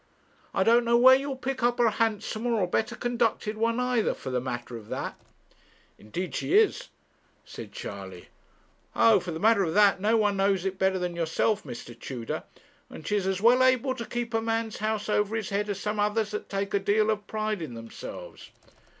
'I don't know where you'll pick up a handsomer, or a better conducted one either, for the matter of that.' 'Indeed she is,' said Charley. 'Oh! for the matter of that, no one knows it better than yourself, Mr. Tudor; and she's as well able to keep a man's house over his head as some others that take a deal of pride in themselves.'